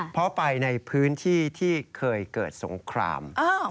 เพราะไปในพื้นที่ที่เคยเกิดสงคราม